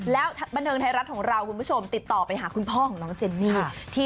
แล้วบันเทิงไทยรัฐของเราคุณผู้ชมติดต่อไปหาคุณพ่อของน้องเจนนี่